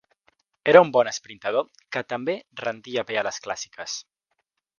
Era un bon esprintador que també rendia bé a les clàssiques.